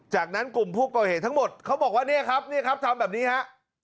จากนั้นกลุ่มผู้ก่อเหตุทั้งหมดเขาบอกว่าเนี่ยครับเนี่ยครับทำแบบนี้ฮะ